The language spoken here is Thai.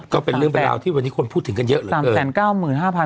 ก็เป็นเรื่องเป็นราวที่วันนี้คนพูดถึงกันเยอะเลย